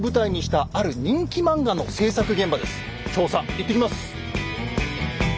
調査いってきます！